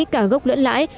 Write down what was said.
cả gốc lưỡn lãi